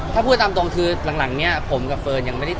ถ้าพูดตามตรงคือหลังเนี่ยผมกับเฟิร์นยังไม่ได้